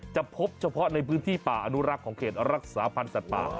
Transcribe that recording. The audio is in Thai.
จะพบเฉพาะในพื้นที่ป่าอนุรักษ์ของเขตรักษาพันธ์สัตว์ป่า